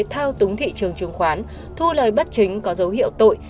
thao túng thị trường chứng khoán thu lời bất chính có dấu hiệu tội